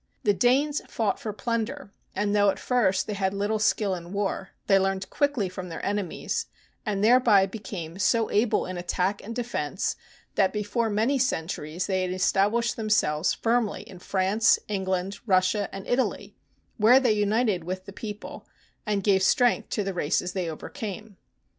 The Danes fought for plun der, and though at first they had little skill in war, they learned quickly from their enemies, and there by became so able in attack and defence that before many centuries they had established themselves firmly in France, England, Russia, and Italy — where they united with the people, and gave strength to the races they overcame.